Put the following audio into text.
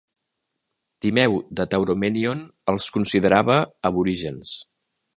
Timeu de Tauromenion els considerava aborigens.